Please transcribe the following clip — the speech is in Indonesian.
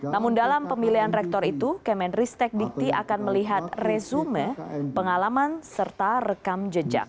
namun dalam pemilihan rektor itu kemenristek dikti akan melihat resume pengalaman serta rekam jejak